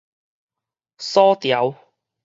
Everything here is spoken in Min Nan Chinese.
鎖著